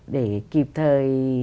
để kịp thời